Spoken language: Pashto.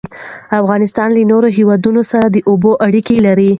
افغانستان له نورو هیوادونو سره د اوبو اړیکې لري.